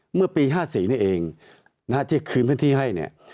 เมื่อปี๕๔นี่เองที่คืนพื้นที่ให้เนี่ย